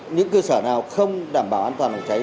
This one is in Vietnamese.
những cơ sở nào không đảm bảo an toàn phòng cháy